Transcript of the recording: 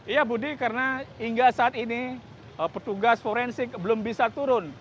iya budi karena hingga saat ini petugas forensik belum bisa turun